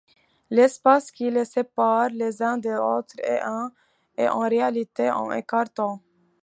L’espace qui les sépare les uns des autres est en réalité un écart temps.